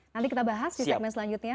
nanti kita bahas di segmen selanjutnya